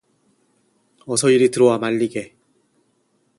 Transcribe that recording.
어서 이리 들어와 말리게.